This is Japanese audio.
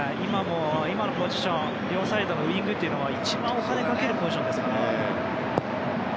今のポジション両サイドのウィングというのは一番、お金をかけるポジションですからね。